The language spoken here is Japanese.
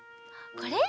これ？